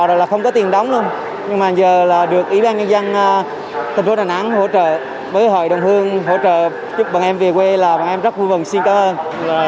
rồi là không có tiền đóng luôn nhưng mà giờ là được ủy ban nhân dân thành phố đà nẵng hỗ trợ với hội đồng hương hỗ trợ chúc bọn em về quê là bọn em rất vui mừng xin cảm ơn